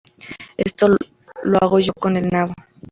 Esto lo hago yo con el nabo